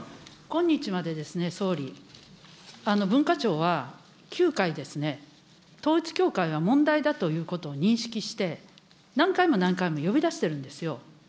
今日まで総理、文化庁は、９回ですね、統一教会は問題だということを認識して、何回も何回も呼び出してるんですよ。